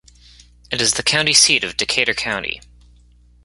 It is the county seat of Decatur County.